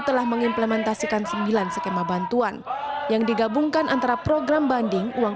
telah mengimplementasikan sembilan skema bantuan yang digabungkan antara program banding uang